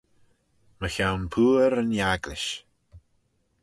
Mychione pooar yn agglish.